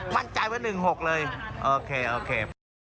มั่นใจว่าหนึ่งหกเลยโอเคโอเค